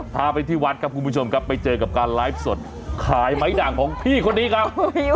พาไปที่วัดครับคุณผู้ชมครับไปเจอกับการไลฟ์สดขายไม้ด่างของพี่คนนี้ครับ